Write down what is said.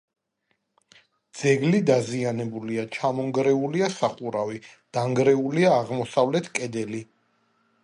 ძეგლი დაზიანებულია: ჩამონგრეულია სახურავი; დანგრეულია აღმოსავლეთ კედელი.